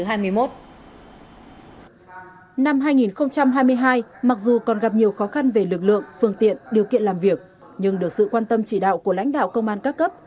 năm hai nghìn hai mươi hai mặc dù còn gặp nhiều khó khăn về lực lượng phương tiện điều kiện làm việc nhưng được sự quan tâm chỉ đạo của lãnh đạo công an các cấp